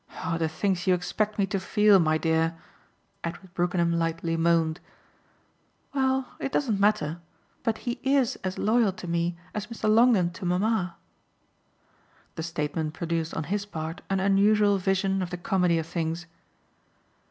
"Oh the things you expect me to feel, my dear!" Edward Brookenham lightly moaned. "Well, it doesn't matter. But he IS as loyal to me as Mr. Longdon to mamma." The statement produced on his part an unusual vision of the comedy of things.